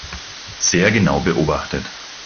Sehr genau beobachtet.